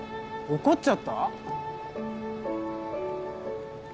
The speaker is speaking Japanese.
怒っちゃった？